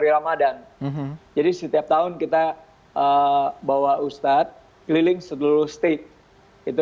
ini berkata kata souvent